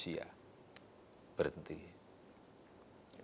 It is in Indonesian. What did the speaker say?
saya juga bisa berbicara anda